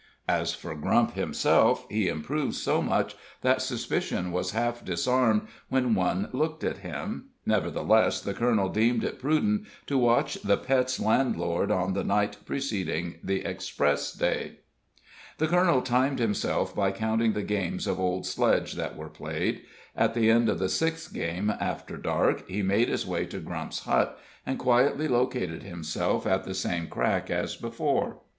As for Grump himself, he improved so much that suspicion was half disarmed when one looked at him; nevertheless the colonel deemed it prudent to watch the Pet's landlord on the night preceding the express day. The colonel timed himself by counting the games of old sledge that were played. At the end of the sixth game after dark he made his way to Grump's hut and quietly located himself at the same crack as before.